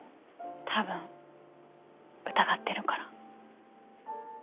たぶん疑ってるから。